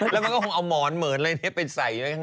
แล้วก็เอาหมอนเหมือนเลยไปใส่ในท้อง